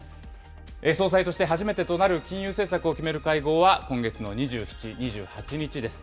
総裁として初めてとなる金融政策を決める会合は今月の２７、２８日です。